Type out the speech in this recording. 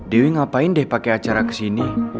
dewi ngapain deh pakai acara kesini